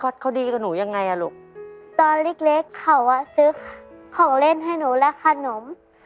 แต่ตอนเด็กเเค่าอะซื้อของเล่นให้หนูและขนม